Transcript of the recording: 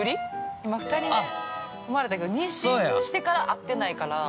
今２人目生まれたけど妊娠してから会ってないから。